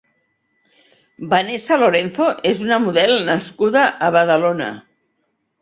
Vanessa Lorenzo és una model nascuda a Badalona.